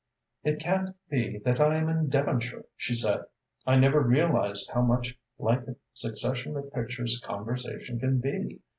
"It can't be that I am in Devonshire," she said. "I never realised how much like a succession of pictures conversation can be.